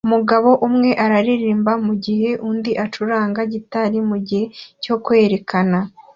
Umugabo umwe araririmba mugihe undi acuranga gitari mugihe cyo kwerekana